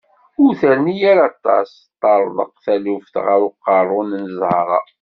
Ur terni ara aṭas, teṭṭarḍaq taluft ɣer uqerrun n Zahra.